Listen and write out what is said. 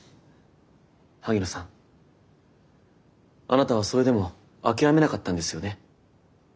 萩野さんあなたはそれでも諦めなかったんですよね。